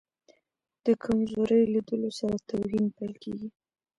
د کمزوري لیدلو سره توهین پیل کېږي.